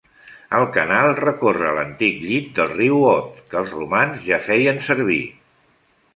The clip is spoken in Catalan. El canal recorre l'antic llit del riu Aude que els romans ja feien servir.